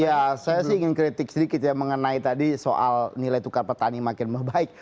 ya saya sih ingin kritik sedikit ya mengenai tadi soal nilai tukar petani makin membaik